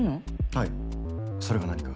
はいそれが何か？